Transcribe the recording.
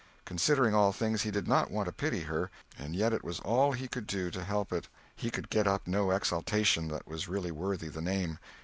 Considering all things, he did not want to pity her, and yet it was all he could do to help it. He could get up no exultation that was really worthy the name.